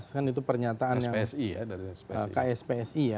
kan itu pernyataan dari ksp si ya